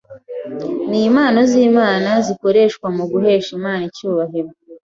ni impano z’Imana zikoreshwa mu guhesha Imana icyubahiro